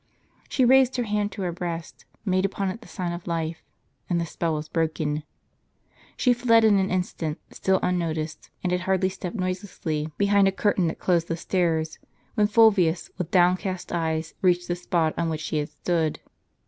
She raised her hand to her breast, made upon it the sign of life, and the spell was broken. She fled in an instant, still un noticed, and had hardly stepped noiselessly behind a curtain that closed the stairs, when Fulvius, with downcast eyes, reached the spot on which she had stood.